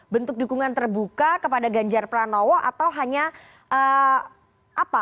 bentuk dukungan terbuka kepada ganjar pranowo atau hanya apa